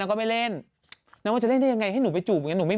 น้องก็ไปเล่นน้องว่าจะเล่นได้ยังไงให้หนูไปจูบอย่างเงี้ย